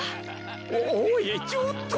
おおいちょっと。